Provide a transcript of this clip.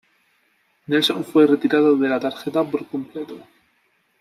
Nelson fue retirado de la tarjeta por completo.